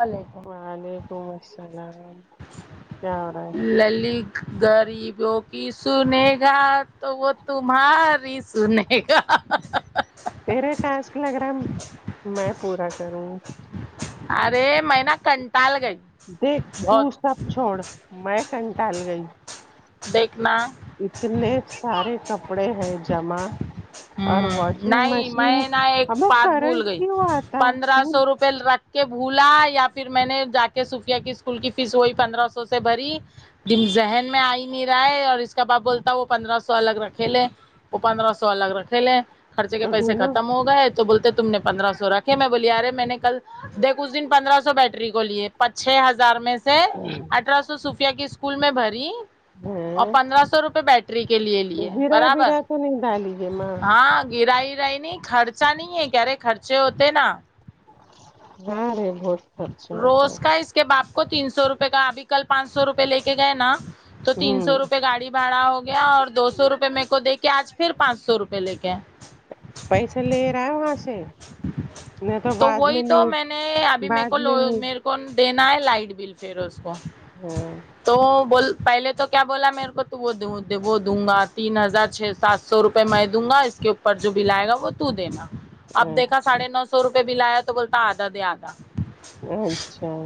وعلیکم وعلیکم السلام کیا ہو رہا ہے لاللی غریبوں کی سنے گا تو وہ تمہاری سنے گا میرے ٹاسک لگ رہا ہے میں پورا کروں ارے میں نا کنٹال گئی دیکھ تو بہت سب چھوڑ میں کنٹال گئی دیکھنا اتنے سارے کپڑے ہیں جمع اور ہوں واشنگ نہیں مشین میں نا ایک ہم بات کرنٹ کیوں آتا ہے کل رکھ کے بھولا یا پھر میں نے جا کے صوفیہ کی اسکول کی فیس وہی پندرہ سو سے بھری ذہن میں آ ہی نہیں رہا ہے اور اس کا باپ بولتا وہ پندرہ سو الگ رکھے لے وہ پندرہ سو الگ رکھے لے خرچے کے تو پیسے ڈھونڈو ختم ہو گئے تو بولتے تھ تم نے پندرہ سو رکھے میں بولیی ارے میں نے کل دیکھ اس دن پندرہ سو بیٹری کو لیے پچ چھ ہزار میں سے سے اٹھارہ سو سوفیہ کے اسکول میں بھری اور ہاں پندرہ سو روپے بیٹری کے لیے لیے گرا برابر [unintelligible] ہاں گرائیرائی نہیں خرچا نہیں ہے کارے خرچے ہوتے نا ہاں ری بہت خرچہ ہوتا روز کا ہے اس کے باپ کو تین سو روپے کا ابھی کل پانچ سو روپے لے کے گئے نا تو تین سو ہوں روپئے گاڑی بھڑا ہو گیا اور دو سو روپئے میرے کو دے کے آج پھر پانچ سو روپے لے کےئے پیسے لے رہا ہے وہاں سے نہیں تو بعد وہی تو نہیں میں نے ابھی میرے کو بعد لو میں م نہیں میر کو دینا ہے لائٹ بل پھر اس کو ہاں تو بول پہلے تو کیا بولا میرے کو تو وہ وہ دوں گا تین ہزار چھ سات سو روپے میں دوں گا اس کے پر جو بل آئے گا وہ تو دینا اب دیکا اچھا ساڑھے نو سو روپے بل آیا تو بولتا آدھا دے آدھا اچھا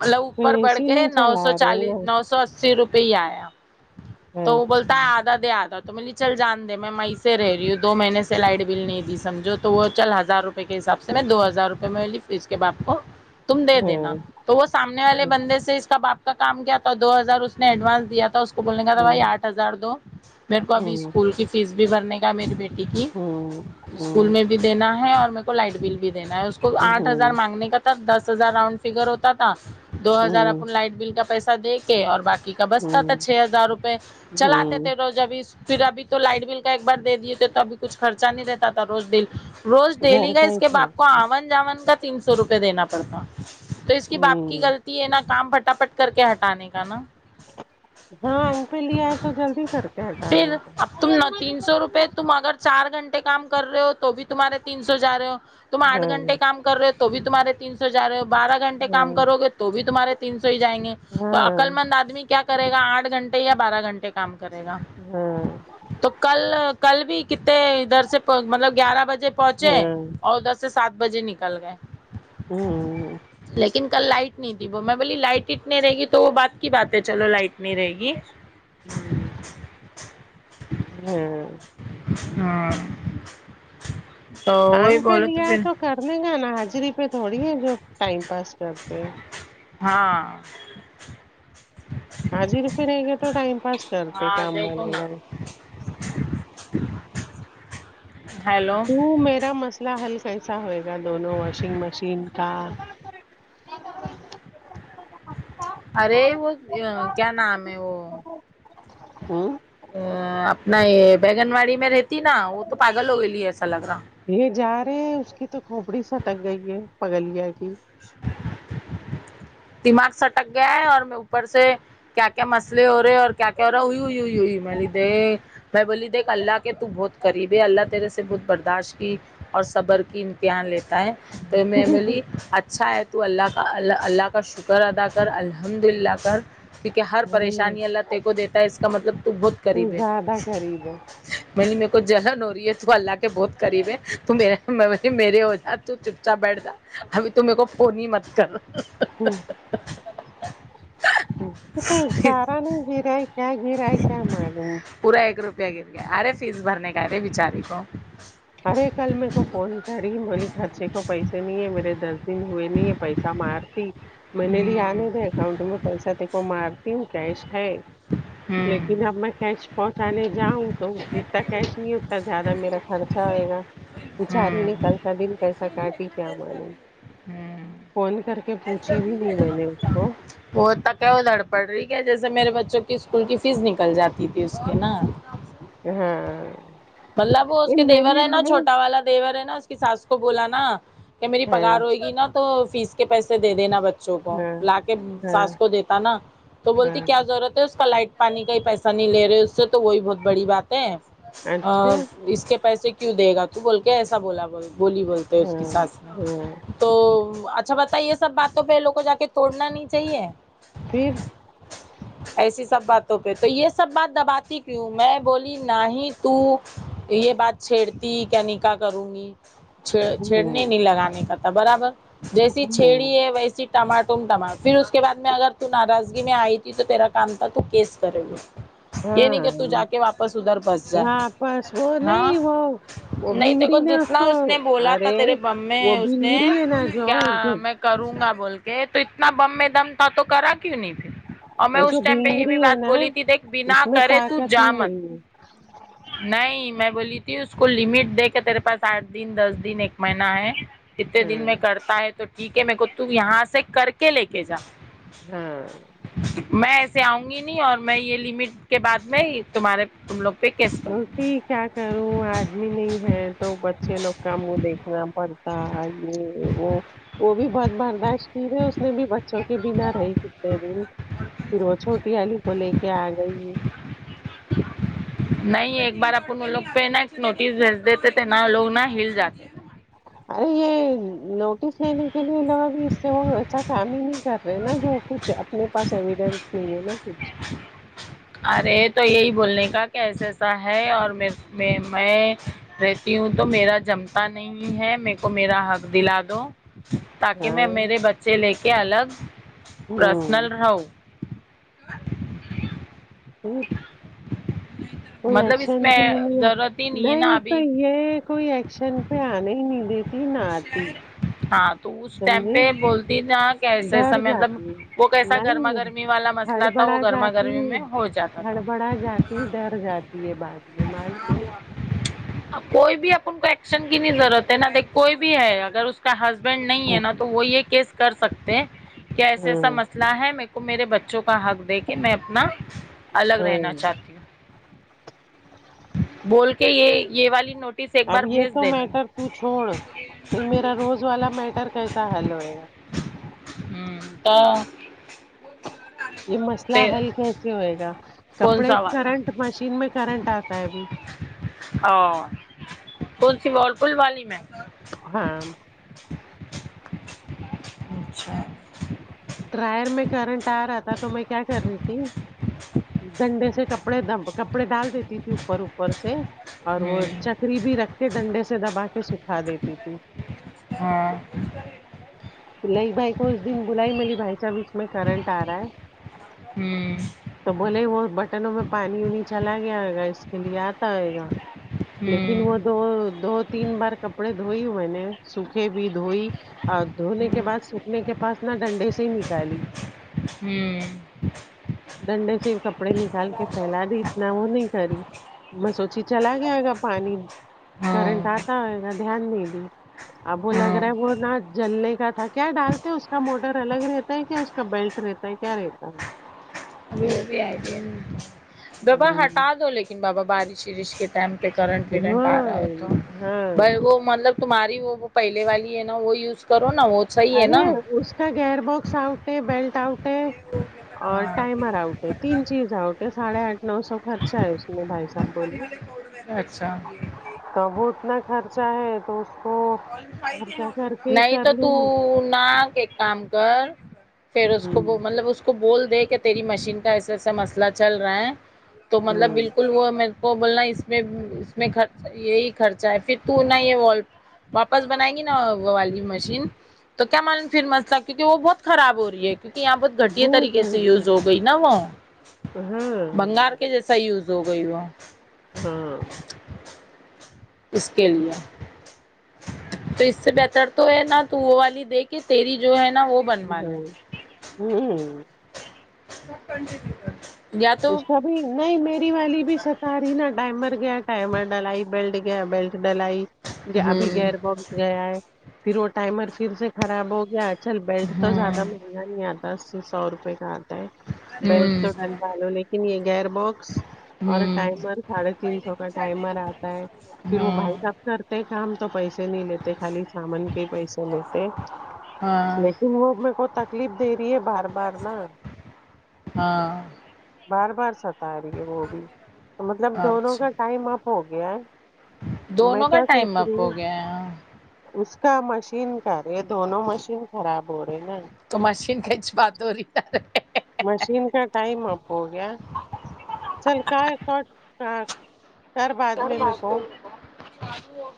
ملب اوپر بڑھ پیسے کے نہیں نو چلا سو رہے چالیس نا نو سو اس سی روپئے ہی آیا تو وہ اچھا بولتا ہے آدھا آتا تو ملی چل جان د میں وہیں سے رہی ہوں دو مہینے سے لائٹ بل نہیں دی سمجھو تو وہ چل ہزار روپ ے کے حساب سے میں دو ہزار روپئے میں اس کے باپ کو تم دے دینا ہاں تو وہ سامنے والے ہوں بندے سے اس کا باپ کا کام کیا تھا دو ہزار اس نے ایڈوانس دیا تھا اس بولنے کا تھا ہوں بھائی آٹ ہزار دو میرے کو ابھی ہوں اسکول کی فیس بھی بھرنے کا میری بی ہوں اسکول میں بھی دینا ہے اور میر کو لائٹ بل بھی دینا ہے اس آٹ ہزار ہوں مانگنے کا تھا دس ہزار رؤنڈ فگر ہوتا تھا دو ہزار اپ ہوں لائٹ بل کا پیس دے کے اور باقی کا بستا تھا ہوں چھ ہزار روپئے چلاتے ہوں تھے روز ابھی پھر ابھی تو لائٹ بل کا ایک بار دے دیے تھے تو ابھی کچھ خرچا نہیں رہتا تھا روز دل روز دیلی گھر گ کا ہی اس کے گھر باپ کو آون جاون کا تین سو روپئے دینا پڑتا تو اس کی باپ کی ہوں غل طی ہے نا کام پھٹا پٹ کر کے ہٹانے کا نا ہاں ان پہ لے آئے تو جلدی کر کے ہٹانے پھر اب تم تین سو روپئے تم اگر چار گھنٹے کام کر رہے ہو تو بھی تمہارے تین سو ج رہے ہو تم آٹ ہاں گھنٹے کام کر رہے تو تمہارے تین س و جا رہے ہو بارہ گھنٹے کام ہاں کرو گے تو بھی تمہارے تین سو ہی جائیں گے تو عقل ہاں مند آدمی کیا کرے گا آٹھ گھنٹے یا بارہ گھنٹے کام کرے گا ہ تو کل کل بھی کتے ادھر سے مطلب گیارہ بجے پہنچے ہاں اور ا دس سے سات بجے نکل گئے ہوں لیک ن کل لائٹ نہیں تھی وہ میں بولی لائٹ اٹنی رہ گی تو وہ بات کی بات ہے چلو لائٹ نہیں رہے گی ہاں ہاں تو وہی آنکھ پہ بولے لیا پھر تو کرنے کا نا حاضری پہ تھوڑی ہے جو ٹائم پاس کرتے ہیں ہاں حج روپی ہے گا تو ٹائم پاس کرتے ہاں کام وال دیکھو نا گا ہیلو تو میرا مسئلہ حل کیسا ہوئے گا دونوں واشنگ مشین کا ارے وہ ا کیا نام ہے وہ ہوں ا اپنا یہ بگن واڑی میں رہتی نا وہ تو پاگل ہو گی لیے ایسا لگ رہا یہ جا رہے ہیں اس کی تو کھوپڑی سٹک گئی ہے پگلیا کی دماغ سٹک گیا ہے اور اوپر سے کیا کیا مسلے ہو رہے اور کیا کیا ہو رہا ہے ہوئی ہو ہوئی ہوئی میں نے دے میں بولی دیکھ اللہ کے تو بہت قریب ہے اللہ تیرے سے بہت برداشت کی اور صبر کی امتحان لیتا ہے تو میں بولی اچھا ہے تو اللہ کا اللہ اللہ ک کا شکر ادا کر الحمد للہ کر کیونکہ ہر ہ پریشانی اللہ ت تے کو دیتا ہے اس کا مطلب تو بہت قریب ہے زیادہ قریب میں نے میرے کو جہن ہو رہی ہے تو اللہ کے بہت قریب ہے تو مے میرے ہو جات تو چپچاپ بیٹھ جا ابھی تو میرے کو فون ہی مت کر تو چارا نہیں گیرا ہے کیا گیرا ہے کیا معلوم پورا ایک روپیہ گر گیا ارے فیس بھرنے کا ہے رے بچاری کو ارے کل میرے کو فون کر رہی بولی خرچے کو پیسے نہیں ہے میرے دس دن ہوئے نہیں ہے پیسہ مار ٹھیک میں نے لیے آنے کا ہے اکاؤنٹ میں پیسہ دیکھو مارتی ہوں کیش ہے ل ہوں لیکن اب میں کیش پہنچانے جاؤں تو جتنا کیش نہیں اتنا زیادہ میرا خرچ چھا ہوئے گا بچاری ہوں نہیں کیسا دن کیسا کاٹی کیا معلوم ہوں فون کر کے پوچھی بھی نہیں میں نے اس کو وہ کہ دڑ پڑ رہی کیا جیسے میرے بچوں کی اسکول کی فیس نکل جاتی تھی اس کی نا ہاں مطلب وہ اس کے یہ میں دیور نے ہے نا چھوٹا والا دیور ہے نا اس کی ساس کو بولا نا کہ میری پگار ہاں ہوئے گی نا تو فیس کے پیسے دے دینا بچے سوں کو ہاں لا کے ہاں ساس کو دیتا نا تو بولتی ہاں کیا ضرورت ہے اس کا لائٹ پانی کا ہی پیسہ نہیں لے رہے اس سے تو وہی بہت بڑی بات ہے اچھا اس کے پیسے کیوں دے گا تو بول کے ایسا بولا ب بولی بولتے اس کی ہاں ساس ہاں تو اچھا بتائی یہ سب باتوں پہ لو کو جا کے توڑنا نہیں چاہیے پھر ایسی سب باتوں پہ تو یہ سب بات دباتی کیوں میں بولی نا ہی تو یہ بات چھیڑتی کیا نکاح کروں گی چھ چھیڑنے ہوں نہیں لگانے کا تھا برابر جیسی ہوں چھیڑی ہے ویسی ٹماٹ ٹماٹ پھر اس کے بعد میں اگر تو ناراضگی میں آئی تھی تو تیرا کام تھا تو کیس کرے یہ نہیں کہ ہاں تو جا کے واپس ادھر بس جا واپس وہ ہاں نہیں وہ وہ نہیں بھنگری تیکو نے جتنا کو اس نے بولا تھا ارے تیرے غم وہ میں اس نے بھنگری ہے نا جو کیا جو میں کروں گا بول کے تو اتنا بم میں دم تھا تو کرا کیوں نہیں پھر اور میں وہ اس جو ٹائم پہ یہ بھنگری بھی ہے بات نا بولی تھی دیکھ بنا کرے تو جامت جی نہیں میں بولی تھی اس کو لمٹ دے کے تیرے پاس آٹھ دن دس دن ایک مہینہ ہے کتنے ہے دن میں کرتا ہے تو ٹھیک ہے میر کو تو یہاں سے کر کے لے کے جا ہاں میں ایسے آؤں گی نہیں اور میں یہ لمٹ کے بعد میں تمہارے تم لوگ پکستان ج کیا کروں آدمی نہیں ہے تو بچے لوگ کا مو کو دیکھنا پر تا یہ وہ وہ بھی بہت برداشت کی تے اس نے بھی بچوں کے بنا رہی کتنے دن پھر وہ چھوٹی والی کو لے کے آ گئی نہیں ایک بار اپن وہ لوگ پہ نا نوٹس بھیج دیتے تھے نا وہ لوگ نا ہل جاتے ارے یہ نوٹس لینے کے لیے لگا ابھی اس سے وہ ایسا کام ہی نہیں کر تا ہے نا جو کچھ اپنے پاس ایویڈینس نہیں ہے نا کچھ ارے تو یہی بولنے کا کیسےسا ہے اور م میں رہتی ہوں تو میرا جمتا نہیں ہے میکو میرا حق دلا دو تاکہ ہاں میں میرے بچے لے کے الگ پرسنل ہوں رہوں کوئی مطلب اس ایکشن میں تو نہیں ہے ضرورت ہی ہے نا نہیں تو ابھی یہ کوئی ایکشن پہ آنے ہی نہیں دی ہاں تو اس ٹائم سمجھے پہ بولتی نا کیساسا ڈر مطلب جاتی وہ ہے کیسا گرما نہیں گرمی والا مسئلہ تھا وہ ہڑبڑا گرما جاتی گرمی میں ہو جاتا تھا ہڑبڑا جاتی ڈر جاتی ہے بات ج معلوم ہے [unintelligible] کوئی بھی اپ ان کو ایکشن کی نہیں ضرورت ہے نہ دیکھ کوئی بھی ہے اگر اس کا ہسبینڈ نہیں ہے ہوں نا تو وہ یہ کیس کر سکتے کہ ایسےایسے ہوں مثلا ہے مے کو میرے بچوں کا حق دے کے میں اپنا الگ رہنا چاہتی ہوں بول کے یہ یہ والی نوٹس ایک بار اب یہ بھیج تو دنے میٹر تو چھوڑ تو میرا روز والا میٹر کیسا حل ہوئےا ہمم تو یہ مسئلہ حل کیسے ہوئے گا کون کپڑے سا والا کرنٹ مشین میں کرنٹ آتا ہے ابھی او کون سی ورل پل والی میں ہاں اچھا ڈرائر میں کرنٹ آ رہا تھا تو میں کیا کر رہی تھی ڈنڈے سے کپڑے د کپڑے ڈال دیتی تھی اوپر اوپر سے اور ہوں وہ چکری بھی رکھ کے ڈنڈے سے دبا کے سکھا دیتی تھی ہاں لیک بائی کواس دن بلاائی ملی بھائی جان اس میں کرنٹ آ رہا ہے ہوں تو بولے وہ بٹنوں میں پانی وانی چلا گیا گا اس کے لیے آتا آئے گا لیکن ہوں وہ دو دو تین بار کپڑے دھوئی میں نے سوکھے بھی دھوئی اور دھونے کے بعد سوکھنے کے پاس انا ڈنڈے سے ہی نکالی ہوں ڈنڈے سے کپڑے نکال کے پھیلا دی اتنا وہ نہیں کری بس واسچ چلا گیاائے گا پانی کرنٹ ہاں آتا ہوئے گا دھیان نہیں اب وہ لگ ہاں رہا ہے وہ نا جلنے کا تھا کیا ڈالتے ہیں اس کا موٹر الگ رہتا ہے کیا اس کا بیلٹ رہتا ہے کیا رہتا ہے وہ بھی آئیڈیا بابا ہے ہٹا دو لیکن بابا بارش ویرش کے ٹائم پہ کرنٹ ونٹ آ رہا ہاں ہے تو ہاں بھائی وہ مطلب تمہاری وہ وہ پہلے والی ہے نا وہ یوز کرو نا وہ صحیح ہے ارے نا اس کا گیئر باکس آؤٹ ہے بیلٹ آؤٹ ہے اور ہاں ٹائمر آؤٹ ہے تین چیز ہے اٹے ساڈے آٹھ نو سو خرچہ ہے اس میں بھائی صاحب بولے اچھا تب وہ اتنا خرچہ ہے تو اس کو خرچہ کر کے ہی نہیں کر تو لوں تو نا ایک کام کر پھر اس ہوں کو مطلب اس کو بول دے کہ تیری مشین کا ایسا ایسا مسئلہ چل رہا ہے تو مطلب ہوں بالکل وہ کو بولنا اس اس میں یہی خرچہ ہے پھر تو نہا یہ واپس بنائے گی نا وہ والی مشین تو کیا معلوم پھر مسئلہ کیونکہ وہ بہت خراب ہو رہی ہے کیونکہ یہاں بہت گھٹے وہ طریقے سے تو- یوز ہو گئی نا وہ ہاں بنگال کہ جیسا یوز ہو گئی وہ ہاں اس کے لیے تو اس سے بہتر تو ہے نا تو وہ والی دیکھ کے تیری جو ہے نا وہ بنوا لے ہمم ہمم گو کنٹونوں کر اس کا بھی نہیں میری والی بھی ستا رہی نا ٹائمل مر گیا ٹائمل ڈلائی بیلٹ گیا بیلٹ ڈلائی ابھی ہوں گر ب گیا ہے پھر وہ ٹائمر پھر سے خراب ہو گیا چل بیلٹ تو ہوں زیادہ مہنگا نہیں آتا دس سے سو روپئے کا آتا ہے بیلٹ تو ڈل والا ہوں لو لیکن یہ گیئر باکس اور ہوں ٹائمر ساڑھے تین سو کا ٹائمر آتا ہے پھر وہ بھائی ہوں کا کرتے کام تو پیسے نہیں لیتے خالی سامان کے ہی پیسے لیتے ہاں لیکن وہ میرے کو تکلیف دے رہی ہے بار بار نا ہاں بار بار ستا رہی ہے وہ بھی مطلب دونوں اچھا کا ٹائم اپ ہو گیا ہے میں دونوں کا کیا ٹائم سوچ اب رہی ہو ہوں گیا اس کا مشین کر رے دونوں مشین خراب ہو رہے نا تو مشین کچا وہ تو رہی ہے مشین کا ٹائم اب ہو گیا چل کا [unintelligible] کار میں میرے بعد کے کو ان کو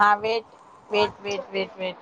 ہاں white white white white white